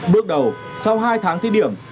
bước đầu sau hai tháng thiết điểm